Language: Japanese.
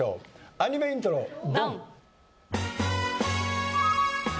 アニメイントロドン！